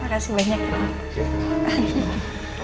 makasih banyak ya tante